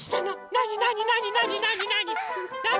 なになになになになになに？